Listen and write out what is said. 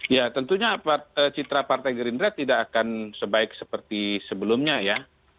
ya tentunya citra partai gerindra tidak akan sebaik seperti sebelumnya ya